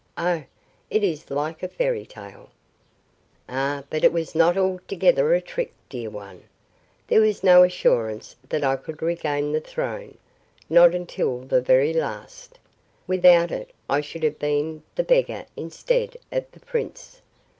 Oh, it is like a fairy tale!" "Ah, but it was not altogether a trick, dear one. There was no assurance that I could regain the throne not until the very last. Without it I should have been the beggar instead of the prince.